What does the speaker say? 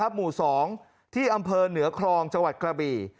หมู่๒ที่อำเภอเหนือคลองจังหวัดกระบี่